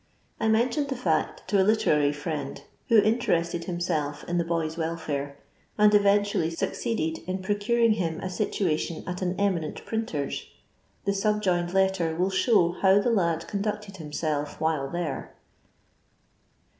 I mentioned the fact to a literary friend, who interested himself in the boy's welfare ; and even tually succeeded in procuring him a situation at an eminent printer's. The subjoined letter will show how the lad conducted himsielf while there.